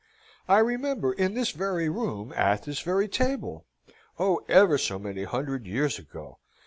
I remember in this very room, at this very table oh, ever so many hundred years ago!